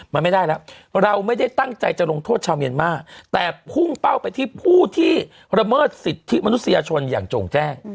มันไม่ได้แล้วเราไม่ได้ตั้งใจจะลงโทษชาวเมียนมาแต่พุ่งเป้าไปที่ผู้ที่ระเมิดสิทธิมนุษยชนอย่างโจ่งแจ้ง